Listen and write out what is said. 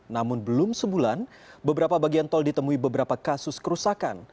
namun belum sebulan beberapa bagian tol ditemui beberapa kasus kerusakan